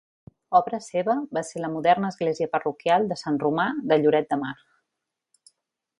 Obra seva va ser la moderna església Parroquial de Sant Romà de Lloret de Mar.